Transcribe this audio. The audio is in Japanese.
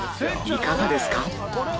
いかがですか？